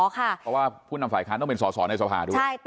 เพราะว่าผู้นำฝ่ายค้านต้องเป็นสอสอในสภาด้วย